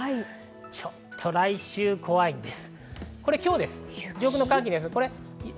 ちょっと来週、怖いんです。